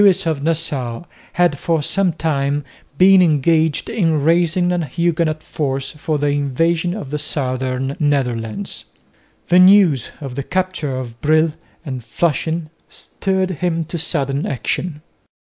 Lewis of Nassau had for some time been engaged in raising a Huguenot force for the invasion of the southern Netherlands. The news of the capture of Brill and Flushing stirred him to sudden action.